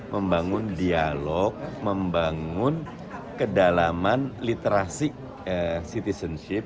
membangun dialog membangun kedalaman literasi citizenship